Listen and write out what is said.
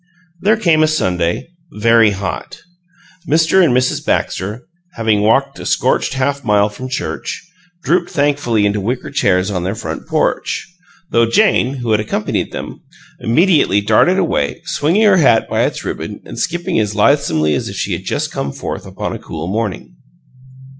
There came a Sunday very hot. Mr. and Mrs. Baxter, having walked a scorched half mile from church, drooped thankfully into wicker chairs upon their front porch, though Jane, who had accompanied them, immediately darted away, swinging her hat by its ribbon and skipping as lithesomely as if she had just come forth upon a cool morning.